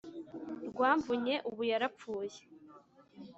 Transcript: rwa mvunye ubu yarapfuye